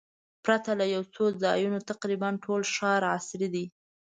پرته له یو څو ځایونو تقریباً ټول ښار عصري دی.